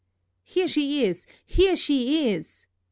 "Here she is! Here she is!"